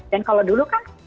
dan kalau dulu kan